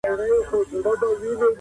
د سرطان مخنیوي اقدامات اغېزمن دي.